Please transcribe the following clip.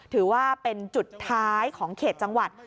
ถือว่าเป็นจุดท้ายของเขตจังหวัด